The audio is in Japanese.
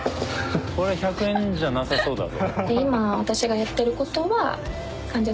これ１００円じゃなさそうだぞ。